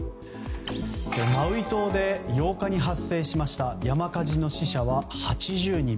マウイ島で８日に発生した山火事の死者は８０人。